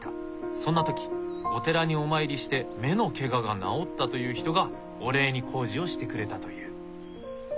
そんな時お寺にお参りして目のケガが治ったという人がお礼に工事をしてくれたという。